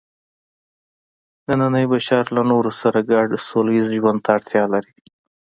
نننی بشر له نورو سره ګډ سوله ییز ژوند ته اړتیا لري.